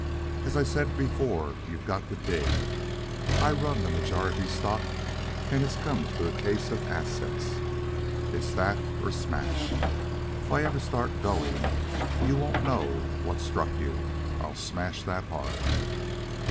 As I said before, you've got to dig. I run the majority stock, and it's come to a case of assess. It's that or smash. If ever I start going you won't know what struck you, I'll smash that hard.